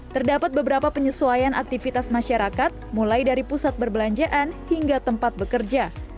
terdapat beberapa penyesuaian aktivitas masyarakat mulai dari pusat perbelanjaan hingga tempat bekerja